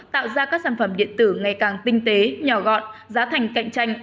tạo ra các sản phẩm điện tử ngày càng tinh tế nhỏ gọn giá thành cạnh tranh